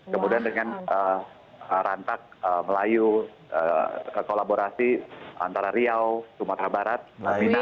kemudian dengan rantak melayu kolaborasi antara riau sumatra barat bina ya